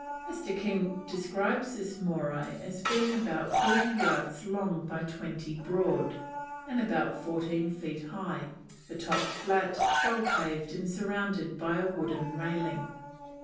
Mr. King describes this Morai as being about forty yards long by twenty broad, and about fourteen feet high, the top flat, well paved, and surrounded by a wooden railing.